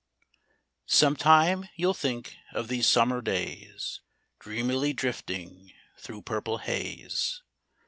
OMETIME you'll think of these summer days Dreamily drifting through purple haze.